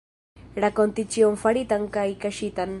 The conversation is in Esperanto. Rakonti ĉion faritan kaj kaŝitan.